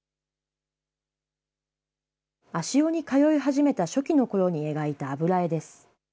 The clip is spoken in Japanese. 足尾に通い始めた初期のころに描いた油絵です。